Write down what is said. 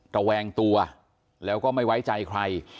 ระแวงตัวแล้วก็ไม่ไว้ใจใคร